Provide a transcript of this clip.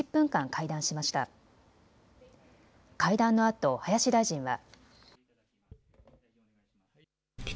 会談のあと林大臣は。